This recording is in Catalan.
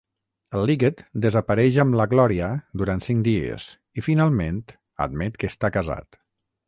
El Liggett desapareix amb la Glòria durant cinc dies i finalment admet que està casat.